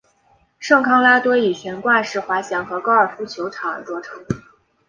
圣康拉多以悬挂式滑翔和高尔夫球场而着称。